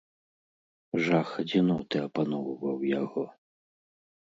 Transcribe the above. Жах адзіноты апаноўваў яго.